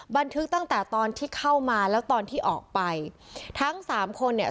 บันทึกตั้งแต่ตอนที่เข้ามาแล้วตอนที่ออกไปทั้งสามคนเนี่ย